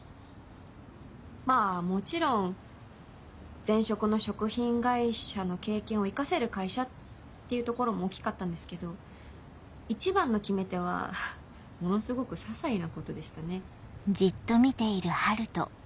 まぁもちろん前職の食品会社の経験を生かせる会社っていうところも大きかったんですけど一番の決め手はものすごく些細なことでしたね。